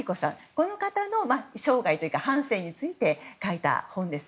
この方の生涯というか半生について書いた本です。